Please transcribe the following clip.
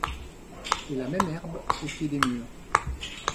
Et la même herbe au pied des murs